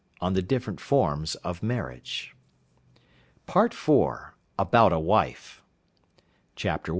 On the different Forms of Marriage. PART IV. ABOUT A WIFE. Chapter I.